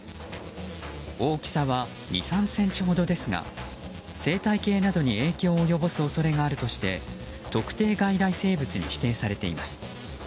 大きさは２３ｃｍほどですが生態系などに影響を及ぼす恐れがあるとして特定外来生物に指定されています。